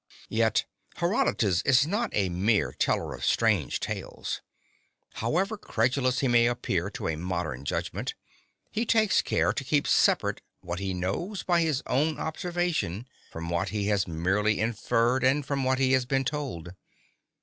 Yet Herodotus is not a mere teller of strange tales. However credulous he may appear to a modern judgment, he takes care to keep separate what he knows by his own observation from what he has merely inferred and from what he has been told.